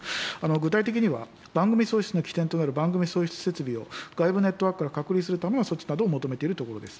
具体的には、番組送出の起点となる番組送出設備を外部ネットワークから隔離するための措置などを求めているところです。